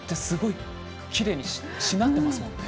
すごくきれいにしなってますね。